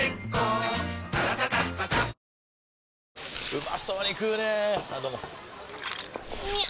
うまそうに食うねぇあどうもみゃう！！